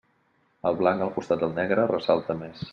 El blanc al costat del negre ressalta més.